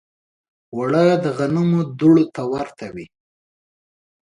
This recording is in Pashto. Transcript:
اوړه د غنمو دوړو ته ورته وي